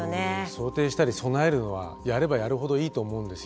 想定したり備えるのはやればやるほどいいと思うんですよね。